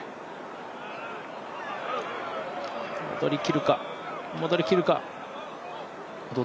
戻りきるか、戻りきるか。